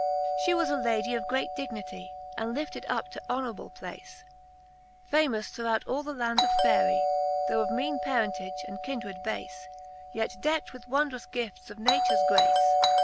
she was a Ladie of great dignitie, And lifted up to honorable place, Famous through all the land of Faerie, Though of meane parentage and kindred bafe, Yet deckt with wondrous giftes of natures grace.